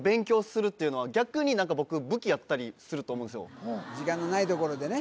僕結構時間のないところでね